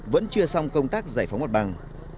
vẫn chưa xong công tác giải phóng mặt bằng